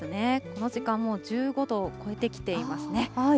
この時間、もう１５度を超えてきていますね。